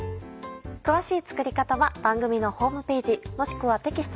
詳しい作り方は番組のホームページもしくはテキスト